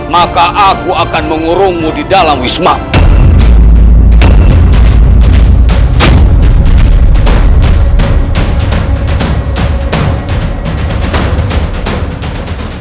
maka aku akan mengurungmu di dalam wisma